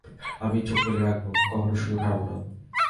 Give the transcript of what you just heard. আমি চোখ মেলে রাখব, কখনও সুযোগ হারাব না।